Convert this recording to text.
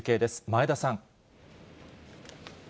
前田さん。